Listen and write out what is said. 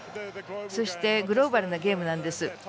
そしてグローバルなゲームなんです。